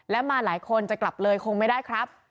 และมาหลายคนจะกลับเลยคงไม่ได้ครับ